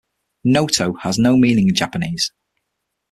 "Noto" has no meaning in Japanese.